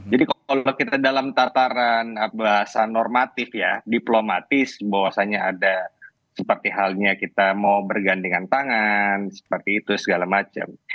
jadi kalau kita dalam tataran bahasa normatif ya diplomatis bahwasanya ada seperti halnya kita mau bergandingan tangan seperti itu segala macam